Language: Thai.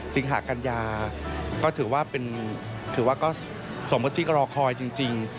สิงหากัญญาก็ถือว่าเป็นสมสิทธิ์รอคอยจริง